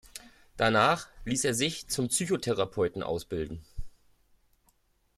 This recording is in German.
Danach ließ er sich zum Psychotherapeuten ausbilden.